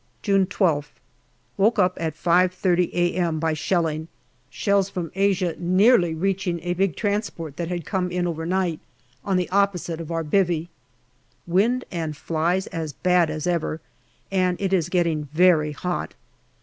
June 12th. Woke up at 5.30 a.m. by shelling, shells from Asia nearly reaching a big transport that had come in overnight, on the opposite of our " bivvy." Wind and flies as bad as ever, and it is getting very hot.